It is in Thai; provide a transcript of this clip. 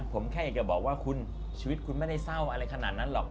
ผมแค่อยากจะบอกว่าคุณชีวิตคุณไม่ได้เศร้าอะไรขนาดนั้นหรอก